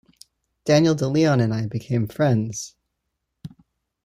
Daniel DeLeon and I became friends...